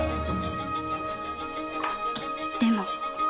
でも。